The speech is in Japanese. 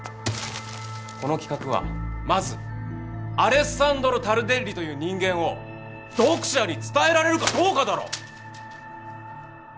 この企画はまずアレッサンドロ・タルデッリという人間を読者に伝えられるかどうかだろ！